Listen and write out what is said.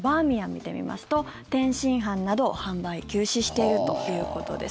見てみますと天津飯などを販売休止しているということです。